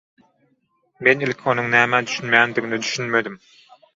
Men ilki onuň nämä düşünmeýändigine düşünmedim.